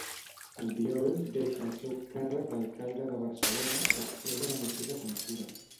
Albiol deixa el seu càrrec d'alcalde de Barcelona després de la moció de censura.